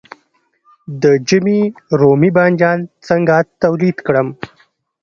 د ژمي رومي بانجان څنګه تولید کړم؟